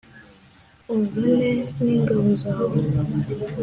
uzane n'ingabo zawe